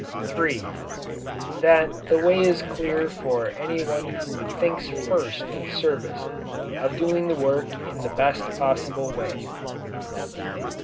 (3) That the way is clear for any one who thinks first of service of doing the work in the best possible way.